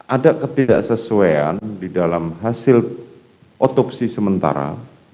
ada ketidaksesuaian di dalam hasil otopsi sementara